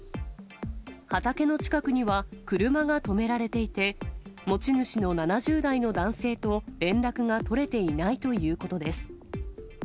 畑の近くには、車が止められていて、持ち主の７０代の男性と連絡が取れていないということです。